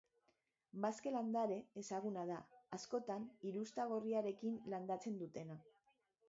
Bazka-landare ezaguna da, askotan hirusta gorriarekin landatzen dutena.